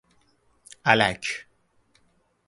الک